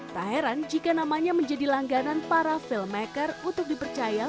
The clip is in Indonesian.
tak heran jika namanya menjadi langganan para filmmaker untuk dipercaya